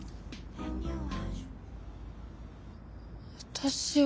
私は。